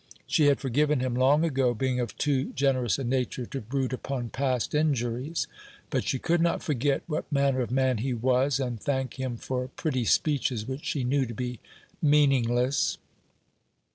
She had forgiven him long ago, being of too generous a nature to brood upon past injuries. But she could not forget what manner of man he was, and thank him for pretty speeches which she knew to be meaningless.